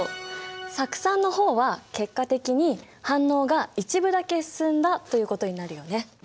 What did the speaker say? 酢酸の方は結果的に反応が一部だけ進んだということになるよね。